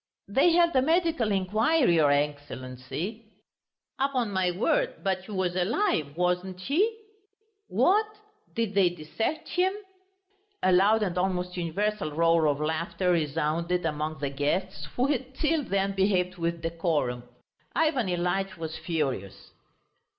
"They held a medical inquiry, your Excellency." "Upon my word, but he was alive, wasn't he?" "What! Did they dissect him?" A loud and almost universal roar of laughter resounded among the guests, who had till then behaved with decorum. Ivan Ilyitch was furious.